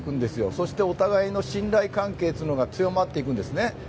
そしてお互いの信頼関係が強まっていくんですね。